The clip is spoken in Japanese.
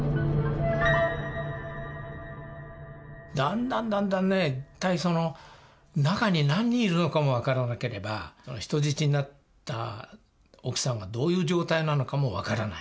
だんだんだんだんね一体その中に何人いるのかも分からなければ人質になった奥さんがどういう状態なのかも分からない。